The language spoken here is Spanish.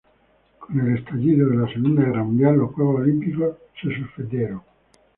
Con el estallido de la Segunda Guerra Mundial, los Juegos Olímpicos fueron suspendidos.